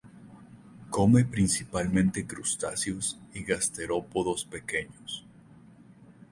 Come principalmente crustáceos y gasterópodos pequeños.